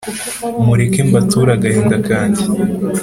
Mureke mbature agahinda kange